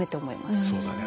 そうだね。